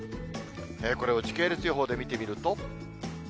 これを時系列予報で見てみると。